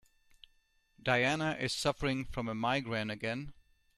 Diana is suffering from migraine again.